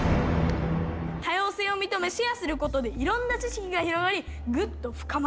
多様性を認めシェアすることでいろんな知識が広がりぐっと深まる。